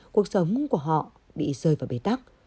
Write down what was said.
cuộc sống của họ bị rơi vào bề tắc